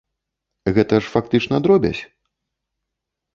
Гэта ж, фактычна, дробязь?